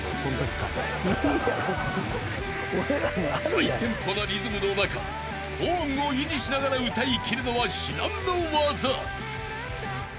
［ハイテンポなリズムの中高音を維持しながら歌いきるのは至難の業］